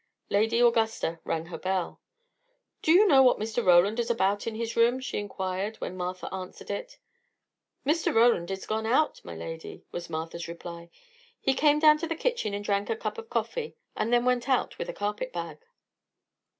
Lady Augusta rang her bell. "Do you know what Mr. Roland is about in his room?" she inquired, when Martha answered it. "Mr. Roland is gone out, my lady," was Martha's reply. "He came down to the kitchen and drank a cup of coffee; and then went out with a carpet bag."